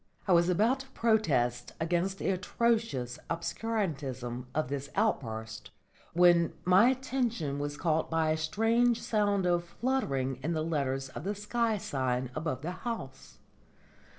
I was about to protest against the atrocious obscurantism of this outburst, when my attention was caught by a strange sound of fluttering in the letters of the sky sign above the house.